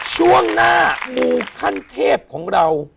ช่วงหน้ามูขั้นเทพของเรา